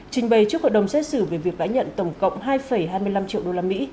trình bày trước hội đồng xét xử về việc đã nhận tổng cộng hai hai mươi năm triệu usd